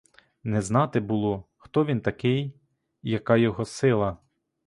Не знати було, хто він такий і яка його сила.